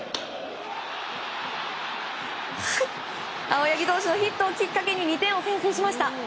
青柳投手のヒットをきっかけに２点を先制しました。